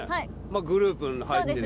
グループに入ってる。